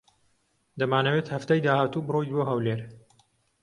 دەمانەوێت هەفتەی داهاتوو بڕۆیت بۆ ھەولێر.